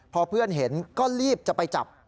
พอเพื่อนเห็นก็รีบจะไปจับ